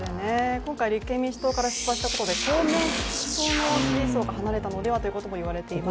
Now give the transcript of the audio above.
今回、立憲民主党から出馬したことで公明党の支持層が離れたのではといわれています。